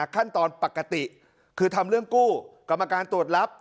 ขั้นตอนปกติคือทำเรื่องกู้กรรมการตรวจรับ